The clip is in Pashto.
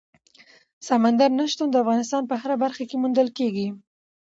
سمندر نه شتون د افغانستان په هره برخه کې موندل کېږي.